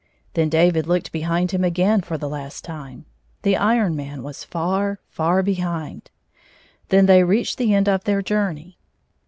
Then David looked hehind him again for the lafit time. The Iron Man was far, far behind. Then they reached the end of their journey.